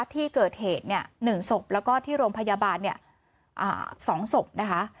ที่เกิดเหตุเนี้ยหนึ่งศพแล้วก็ที่โรงพยาบาลเนี้ยอ่าสองศพนะคะ